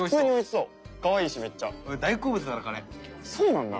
そうなんだ。